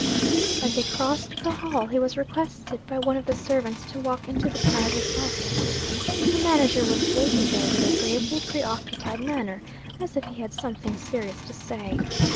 As he crossed the hall, he was requested by one of the servants to walk into the private office. The manager was waiting there with a gravely pre occupied manner, as if he had something serious to say.